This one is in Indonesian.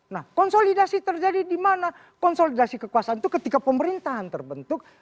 nah konsolidasi terjadi di mana konsolidasi kekuasaan itu ketika pemerintahan terbentuk